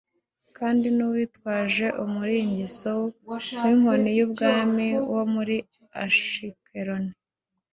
kandi n’uwitwaje umuringiso w’inkoni y’ubwami wo muri Ashikeloni.